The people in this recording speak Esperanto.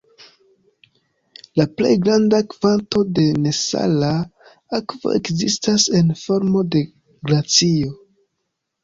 La plej granda kvanto de nesala akvo ekzistas en formo de glacio.